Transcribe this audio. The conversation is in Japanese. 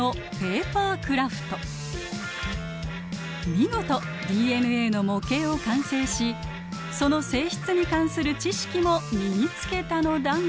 見事ＤＮＡの模型を完成しその性質に関する知識も身につけたのだが。